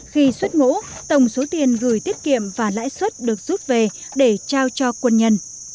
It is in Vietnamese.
khi xuất ngũ tổng số tiền gửi tiết kiệm và lãi suất được rút về để trao cho quân nhân